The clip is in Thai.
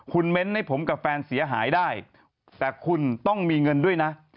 คุณเม้นให้ผมกับแฟนเสียหายได้แต่คุณต้องมีเงินด้วยนะ